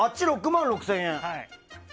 ６万６０００円。